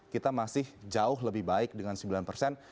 kita masih jauh lebih baik dengan sembilan persen